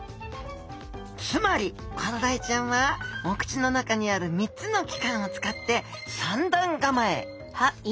つまりコロダイちゃんはお口の中にある３つの器官を使って３段構え。